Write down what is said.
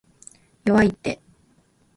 弱いって